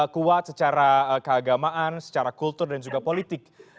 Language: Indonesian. kuat secara keagamaan secara kultur dan juga politik